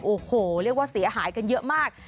โอ้โหเรียกว่าเสียหายกันเยอะมาก